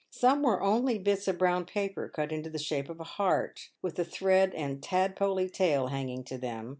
Some were only bits of brown paper cut into the shape of a heart, with a thread and tadpoley tail hanging to them.